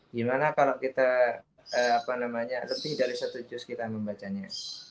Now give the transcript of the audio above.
gimana kalau kita lebih dari satu jus kita membacanya